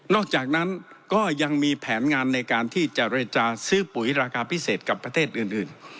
อกจากนั้นก็ยังมีแผนงานในการที่เจรจาซื้อปุ๋ยราคาพิเศษกับประเทศอื่น